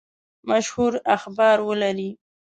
مشهور اخبار ولري.